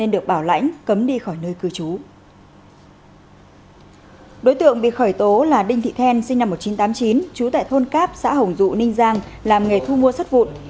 đối tượng bị khởi tố là đinh thị then sinh năm một nghìn chín trăm tám mươi chín trú tại thôn cáp xã hồng dụ ninh giang làm nghề thu mua xuất vụn